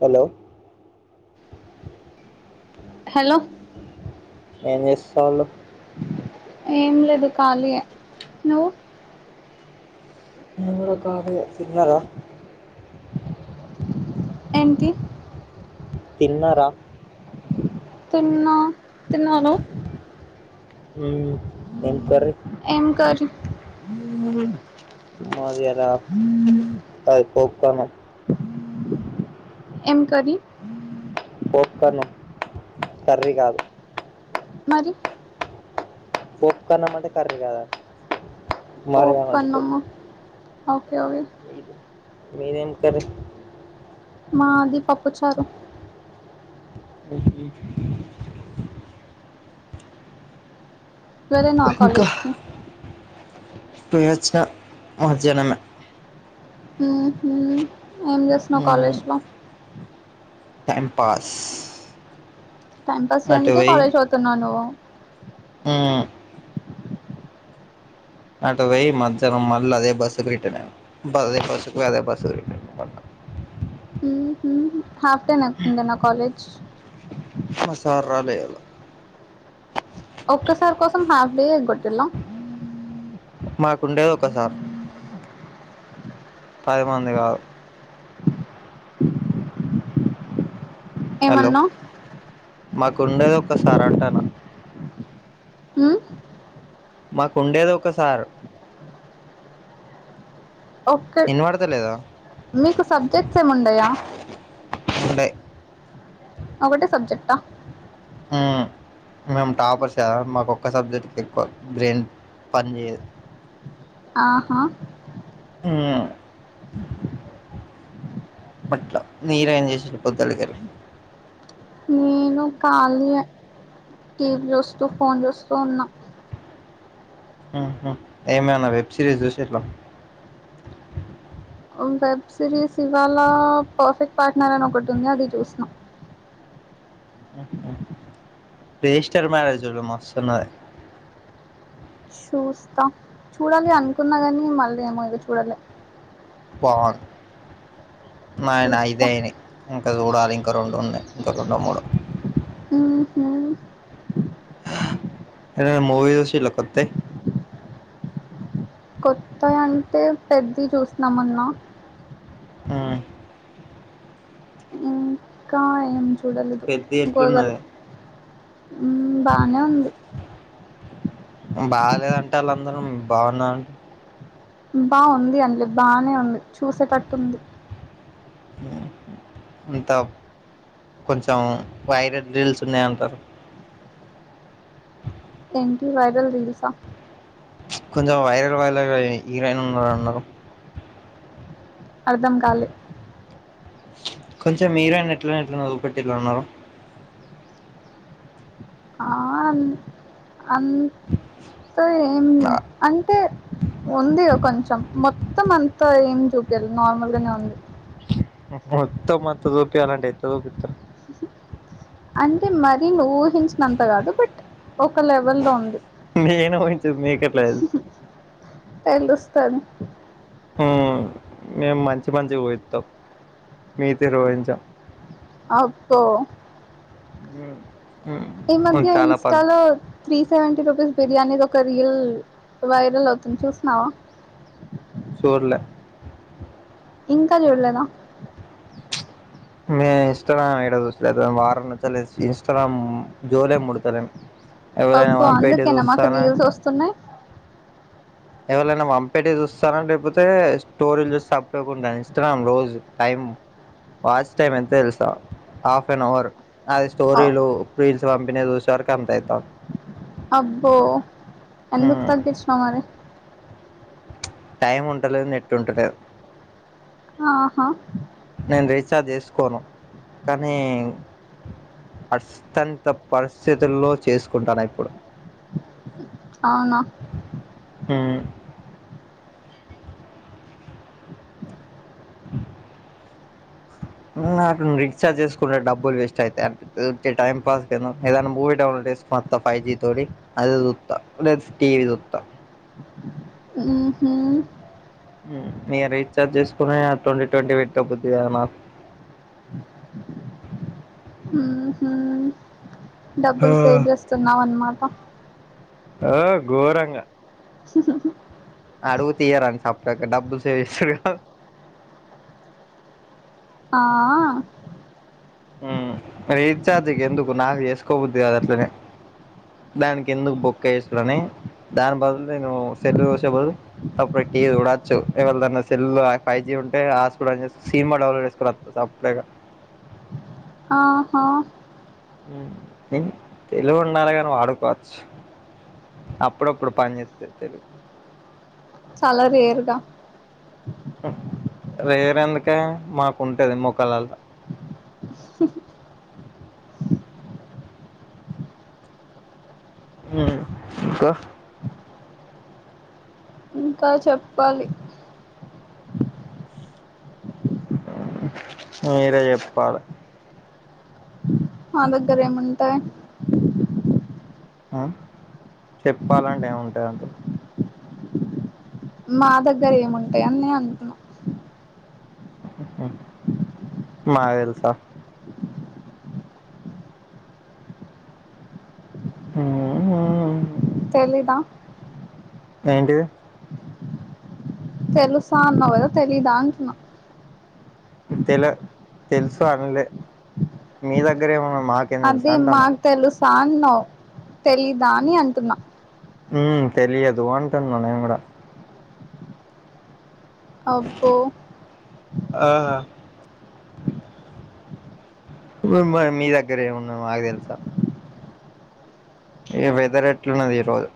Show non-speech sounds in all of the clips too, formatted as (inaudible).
Hello hello ఏం చేస్తాళ్ళు ఏం లేదు ఖాళీయే నువ్వు నేను కూడ ఖాళీయే తిన్నరా ఏంటి తిన్నరా తిన్నా తిన్నాను మ్ ఏం కర్రి ఏం కర్రి మాది ఇయాల అది పోప్కన్నం ఏం కర్రి పోప్కన్నం కర్రి కాదు మరి పోప్కన్నం అంటే కర్రి కాదు మరి పోప్ అనదు అన్నము ఓకే ఓకే ఇడు మీదేం కర్రి మాది పప్పుచారు ఈట్ ఈట్ వెళ్లినా ఇంకా కాలేజీకి పోయి వచ్చిన మధ్యానమే మ్ హూ ఏం చేసినవు మ్మ్. కాలేజీలో టైం పాస్ టైం పాస్ అటు చేయనికే పోయి కాలేజ్ పోతున్నావ నువ్వు హ్మ్ అటు వోయి మధ్యానం మళ్ల అదే బస్సుకి రిటన్ అయిన అదే బస్సుకి పోయి అదే బస్సు రిట్టన్ అయిన మళ్ల ఉహు హాఫ్ డే నాకుండేనా కాలేజ్ మా సార్ రాలే ఇయాల ఒక్క సార్ కోసం హాఫ్ డే ఎగ్గోట్టిలా మాకుండేది ఒక సార్ పది మంది గాదు ఏమన్నావ్ మాకు ఉండేది ఒక సార్ అంటనా మ్ మాకుండేది ఒకసార్ ఓకే వినపడతలేదా మీకు సబ్జెక్ట్స్ ఏముండయా వుండే ఒకటే సబ్జెక్టా ఆ మేము టాపర్స్ కదా మాకు ఒక్క సబ్జెక్ట్కి ఎక్కువ బ్రెయిన్ పని చేయదు అ హా మ్ అట్ల మీరు ఏం చేసిరు పొద్దాలకెల్లీ నేను ఖాళీయే టీవీ చూస్తూ ఫోన్ చూస్తూ ఉన్నా మ్ హూ ఏమైనా వెబ్ సిరీస్ చూసిరా వెబ్ సిరీస్ ఇవాళ పర్ఫెక్ట్ పార్ట్నర్ అని ఒకటి ఉంది అది చూసిన మ్ హూ రిజిష్టర్ మ్యారేజ్ చూడు మస్త్ ఉన్నది చూస్తా చూడాలి అనుకున్నా గానీ మళ్ళీ ఏమో ఇగ చూడలే బొంది నాది ఐదు చూస్తా అయినయ్ హ్మ్ ఇంక చూడాలి ఇంక రెండు ఉన్నాయి ఇంక రెండు మూడో ఊహు ఏవన్నా మూవీ చూసిర్రా కొత్తై కొత్తయి అంటే పెద్ది చూసినా మొన్న ఆ కా ఏం చూడలేదు పెద్ద గోదల్ ఎట్లున్నది హూ బానే ఉంది బాగాంటే ఆళ్ళందరూ బోన్న బాగుంది అన్లే బానే ఉంది చూసేటట్టుంది ఊ ఇంత కొంచెం వైరల్ రీల్స్ ఉన్నాయంటరు ఏంటి వైరల్ రీల్సా కొంచెం వైరల్ వైరల్ హీరోయిన్ ఉన్నారు అన్నారు అర్ధంకాలే కొంచెం మీరయిన ఎట్ల ఎట్లా (unintelligible) ఉన్నారు అమ్ త ఏం అంటే ఉంది కొంచెం మొత్తం అం త ఏం చూపియలే నార్మల్ గానే ఉంది మొత్తం అంత చూపియాలంటే ఎట్లా చూపిత్తరు అంటే మరీ ను ఊహించినంత కాదు బట్ ఒక లెవెల్ లో ఉంది మీకెట్ల తెల్సు ఏళ్ళొస్తాను ఊ మేము మంచి మంచిగా పోయోస్తామ్ మీతీరు ఊహించం అబ్బో హు ఈ మధ్య ఇన్స్టాలో three seventy rupees biryani దొక రీల్ వైరల్ అవుతుంది చూసినవా చూళ్ళే ఇంకా చూళ్ళేదా మే ఇన్స్టాగ్రామ్ ఏడ చూస్తాలేదు వారం నుచ్చిలేసి ఇన్స్టాగ్రామ్ జోలే ముడతలేన్ ఎవరైనా అబ్బో పంపేటి అందుకేనా మాకు చూస్తాను రీల్స్ వస్తున్నాయి ఎవరైనా వంపేటీ చూస్తాను లేకపోతే స్టోరీలు చూస్తే అప్పుడు ఇన్స్టాగ్రామ్ రోజు టైం ఉ వాచ్ టైమ్ ఎంత అయింది చూస్తా హాప్ నా ఆవర్ అది స్టోరీలు రీల్స్ పంపినవి చూసే వరకి అంత అయితాంది అబ్బో అందుకు తగ్గిచ్చినవ రా టైం ఉంటలేదు నెట్ ఉంటలేదు ఆహా నేను రీఛార్జ్ చేసుకోను కానీ అస్తంత పరిస్థితుల్లో చేసుకుంటాన్న ఇప్పుడు అవునా ఊ హూ నాకు రీఛార్జ్ చేసుకుంటే డబ్బులు వేస్ట్ అయితయి అనిపిత్తది ఊర్కే టైం పాస్కి ఏన్న ఏదన్న మూవీ డౌన్లోడ్ మొత్తం ఫైవ్ జి తోటీ అదే సూత్త లేదా టివీ సూత్త ఊహూ హూ ఇగ రీఛార్జ్ చేసుకుని ట్వంటీ ట్వంటీ పెట్టబుద్ది కాదు నాకు ఊహూ డబ్బులు సేవ్ చేస్తున్నావ్ అనమాట ఆ ఘోరంగా అడుగు తియారట చప్పక డబ్బులు సేవ్ చేస్తున్న ఆ ఊ రీఛార్జికి ఎందుకు నాకు చేసుకోబుద్ది కాదు ఆట్లనే దానికి ఎందుకు బొక్క ఎసుడని దాని బదులు నేను సెల్ చుసే బదులు తప్పుడు టీవి చుడచ్చు ఎవరిదన్న సెల్ ఫైవ్ జి ఉంటే హాట్స్పాట్ ఆన్ చేసి సినిమా డౌన్లోడ్ చేసుకోని వత్త సప్పుడగా ఆహా ఉ తెలివి ఉండాలి కాని వాడుకోవచ్చు అప్పుడు అప్పుడు పని చెత్తది తెలివి చాలా రేర్ గా రేరు ఎందుకే మాకుంటది మోకాళ్ళలల్లో ఊ ఇంకా ఇంకా చెప్పాలి ఆ మీరే చెప్పాలి మా దగ్గర ఏముంటాయి ఆ చెప్పాలండి ఏముంటయి అంటే నా దగ్గర ఏముంటాయి అని అంటున్నా నాకు తెలుసా ఉ ఊ తెలీదా ఏంటిది తెలుసా అన్నావు కదా తెలీదా అంటున్నా తెల్ తెలుసా అనలే మీ దగ్గర ఏమన్నా మాకేం తెలుసు అదే అంటున్నా మాకు తెలుసా అన్నావ్ తెలీదా అని అంటున్నా ఉ తెలియదు అంటున్నా నేను కూడా అబ్బో ఆ మరి మీ దగ్గర ఏమున్నదో మాకు తెలుసా. ఇగ వెదర్ ఎట్లున్నది ఈ రోజు.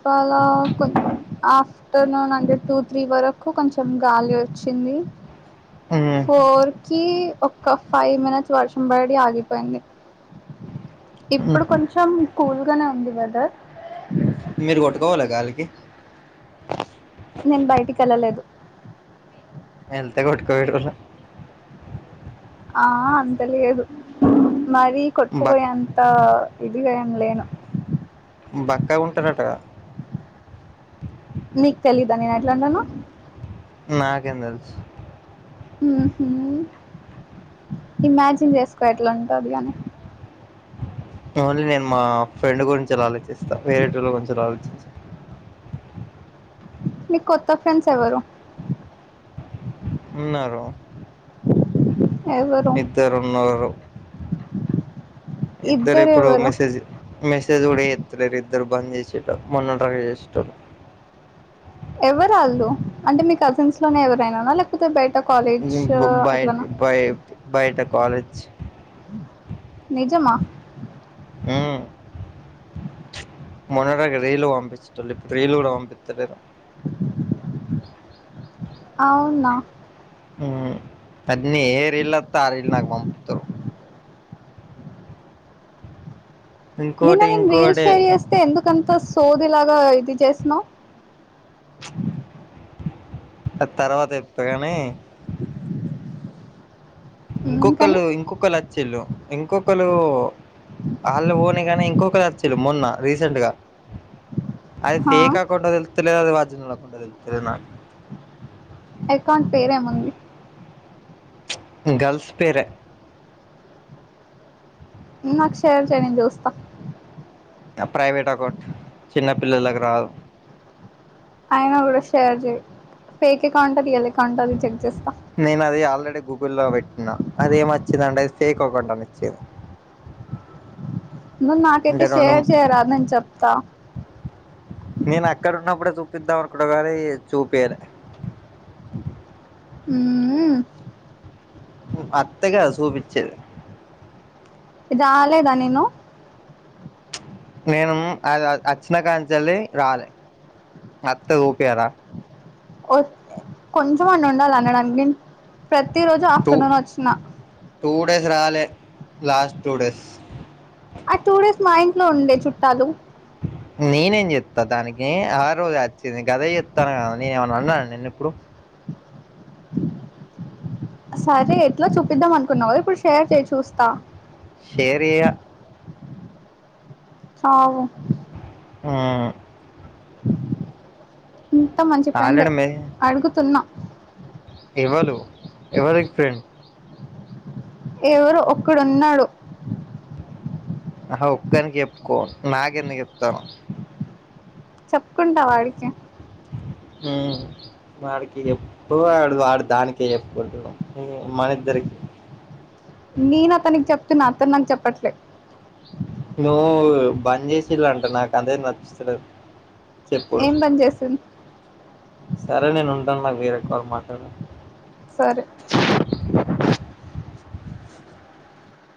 ప్పాల కొం ఆ ఆఫ్టర్నూన్ అంటే టూ త్రీ వరకు కొంచెం గాలి వచ్చింది. ఉమ్, ఫోర్ కి ఒక్క ఫైవ్ మినిట్స్ వర్షం పడి ఆగిపోయింది. ఉమ్, ఇప్పుడు కొంచెం కూల్గనే ఉంది వెదర్. మీరు కొట్టుకవోలె గాలికి. నేను బయటికి ఎళ్ళలేదు. యెల్తె కొట్కపోయెటోళ్ళు ఆ అంత లేదు మరి బక్ కొట్టుకుపోయే అంతా ఇదిగా ఏం లేను. బక్కగుంటరటా కదా. నీకు తెలీదా నేను ఎట్లా ఉంటనో. నాకేం తెల్సు ఉహు ఇమాజిన్ చేసుకో ఎట్లా ఉంటది అని. ఓన్లీ నేను మా ఫ్రెండ్ గురించి అలా ఆలోచిస్తా, వేరేటోల్ల గురించి ఆలోచించా. నీకు కొత్త ఫ్రెండ్స్ ఎవరు? ఉన్నారు. ఎవరు ఇద్దరు ఉన్నరు. ఇద్దరు ఎప్పుడో మెసేజ్ మెస్ సెజ్ కూడా చేత్తలేరు ఇద్దరు బంద్ చేసిల్లు మొన్నటి రాక చేశేటోల్లు. ఎవరు ఆళ్ళు అంటే మీ కజిన్స్ లోనే ఎవరైననా లేకపోతే బయట కాలేజ్ బయట్ అట్లనా బయ బయట కాలేజ్ నిజమా హ్ మొన్నటిరాక రీల్లు పంపించేటోల్లు ఇప్పుడు రీల్లు కూడా పంపిత్తలేరు. అవునా అన్ని ఏరీల్లు అత్తే ఆ రీల్ నాకు పంపుతరు. నిన్న ఇంకోటి నేను రీల్స్ ఇంకోటి షేర్ చేస్తే ఎందుకంతా సోది లాగా ఇది చేసినవు. అది తర్వాత చెప్తా కాని ఉమ్ కానీ ఇంకొకళ్ళు ఇంకొకళ్ళు అచ్చిళ్ళు ఇంకొకళ్ళు ఆళ్ళు పోనియి కానీ ఇంకొకళ్ళు అచ్చిళ్ళు మొన్న రీసెంట్ గా అది హా ఫేక్ అకౌంటో తెల్తలేదు, అది వర్జినల్ అకౌంటో తెల్తలేదు నాకు. ఎకౌంట్ పేరేముంది? గర్ల్స్ పెరే నాకు షేర్ చేయ్ నేను చూస్తా. ప్రైవేట్ అకౌంట్ చిన్నపిల్లలకు రాదు. అయినా కూడా షేర్ చెయ్ ఫేక్అకౌంటా రియల్అకౌంటా నేన్ చెక్ చేస్తా. అంటే గూగుల్లా పెట్టినా అది ఎమచ్చింది అంటే ఇది ఫేక్ అకౌంట్ అనిచ్చింది. నువ్వు నాకైతే షేర్ చేయరా నేను చెప్తా. నేను అక్కడ ఉన్నప్పుడే చూపిద్దాం అనుకున్నా కానీ చూపియలే. మ్మ్ అత్తే గదా సూపిచ్చేది. రాలేదా నేను నేను అది అచ్చిన కాంచెల్లి రాలే, అత్త ఊపియాల కొంచం అన్న ఉండాలి అనడానికి, ప్రతి రోజు టూ ఆఫ్టర్నూన్ వచ్చిన టూ డేస్ రాలే, లాస్ట్ టూ డేస్. ఆ టూ డేస్ మా ఇంట్లో ఉండే చుట్టాలు నేనేం చేత్తా దానికి ఆ రోజు అచ్చింది గదే చెప్తాన్న కదా, నేనేమన్నా అన్ననా నిన్ను ఇప్పుడు? సరే ఎట్ల చూపిద్దాం అనుకున్నవు ఇప్పుడు షేర్ చే చూస్తా. షేర్ చేయ అగు ఉమ్ ఇంత మంచి ఫ్రెండ్ ఆల్రెడీ అడుగుతున్నా ఎవలు ఎవరికి ఫ్రెండ్? ఎవరో ఒక్కడున్నడు అహ ఒక్కని చెప్పుకో నాకెందుకు చెప్తాన్నవు? చెప్పుకుంటా వాడికి ఉమ్ వాడికి ఎప్పుడు వాడు వాడు దానికే చెప్పుకుంటడు, మన ఇద్దరికి నేను అతనికి చెప్తున్నా అతను నాకు చెప్పట్లే. నువ్వు బంద్ చేసిలంట నాకు అదే నచ్చితలేదు. ఏం పని చేస్తుంది? సరే నేను ఉంటాను మరి, వేరే కాల్ మాట్లాడాలే సరే